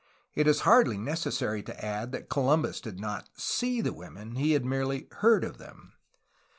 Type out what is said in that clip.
It is hardly necessary to add that Columbus did not see these women; he had merely heard of them.